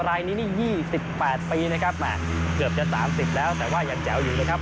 รายนี้นี่๒๘ปีนะครับเกือบจะ๓๐แล้วแต่ว่ายังแจ๋วอยู่นะครับ